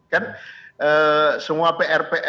kan semua prp